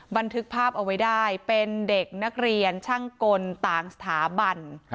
บันทึกภาพเอาไว้ได้เป็นเด็กนักเรียนช่างกลต่างสถาบัน